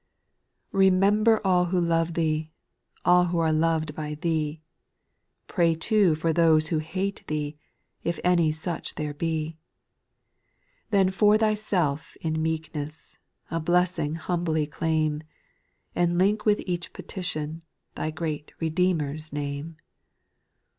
214 SPIRITUAL SONGS. 2. Remember all who love thee, All who are loved bv thee, Pray too for those who hate thee, If any such there he. Then for thyself in meekness, A blessing humbly claim, And link with each petitio'n, Thy great Redeemer's name.